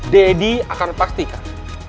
daddy akan pastikan